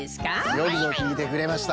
よくぞきいてくれました。